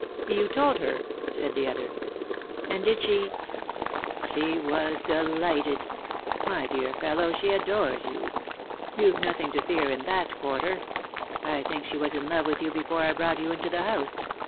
" You told her ?" said the other ;" and did she "" She was delighted. My dear fellow, she adores you. You've nothing to fear in that quarter. I think she was in love with you before I brought you into the house.